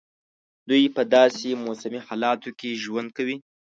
دوی په داسي موسمي حالاتو کې ژوند کوي.